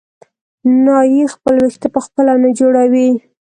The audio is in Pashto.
نایي خپل وېښته په خپله نه جوړوي.